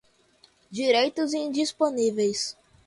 direitos indisponíveis